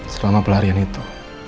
selama pelarian itu